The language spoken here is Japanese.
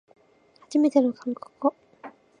はじめての韓国語